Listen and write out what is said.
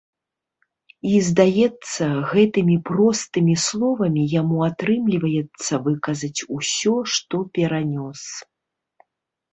І, здаецца, гэтымі простымі словамі яму атрымліваецца выказаць усё, што перанёс.